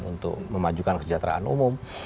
untuk memajukan kesejahteraan umum